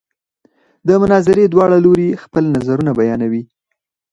د مناظرې دواړه لوري خپل نظرونه بیانوي.